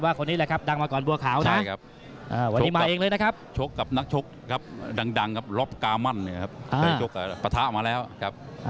ปะทะออกมาแล้วครับ